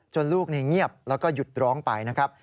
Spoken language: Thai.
ลูกเงียบแล้วก็หยุดร้องไปนะครับ